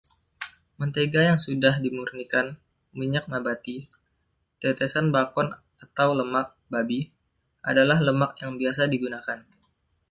Mentega yang sudah dimurnikan, minyak nabati, tetesan bakon atau lemak babi adalah lemak yang biasa digunakan.